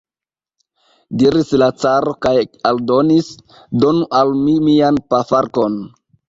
diris la caro kaj aldonis: donu al mi mian pafarkon.